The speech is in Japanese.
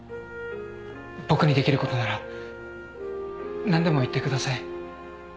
僕にできることなら何でも言ってください。